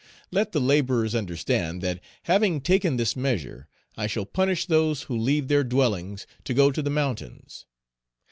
Let the laborers understand, that, having taken this measure, I shall punish those who leave their dwellings to go Page 317 to the mountains.